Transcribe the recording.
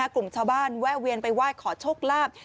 กลุ่มชาวบ้านแวะเวียนไปไหว้ขอโชคลาภ